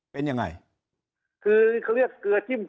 เขาย้ายออกจากกลมไปล่ะ